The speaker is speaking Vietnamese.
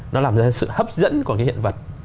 nó làm ra sự hấp dẫn của hiện vật